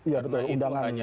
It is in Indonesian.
iya betul undangan